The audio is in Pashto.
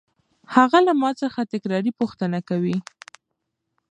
هغه له ما څخه تکراري پوښتنه کوي.